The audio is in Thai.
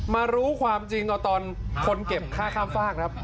มารู้ความจริงเอาตอนคนเก็บค่าข้ามฝากครับ